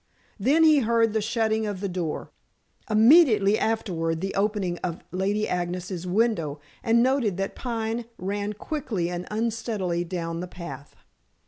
Then he heard the shutting of the door; immediately afterward the opening of Lady Agnes's window, and noted that Pine ran quickly and unsteadily down the path.